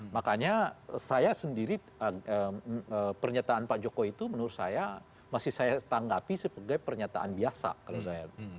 makanya saya sendiri pernyataan pak jokowi itu menurut saya masih saya tanggapi sebagai pernyataan biasa kalau saya